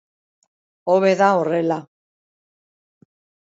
Hobe da horrela.